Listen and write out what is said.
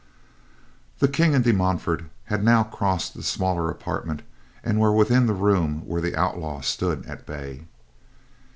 The King and De Montfort had now crossed the smaller apartment and were within the room where the outlaw stood at bay.